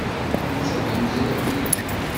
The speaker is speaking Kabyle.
Netta d amezraw yelhan.